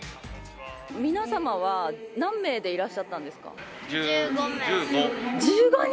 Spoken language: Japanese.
皆様は何名でいらっしゃったんですか。